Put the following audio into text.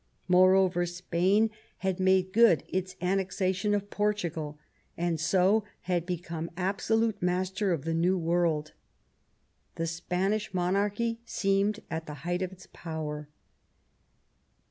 Moreover, Spain had made good its annexation of Portugal, and so had become absolute master of the New World. The Spanish monarchy seemed at the height of its power.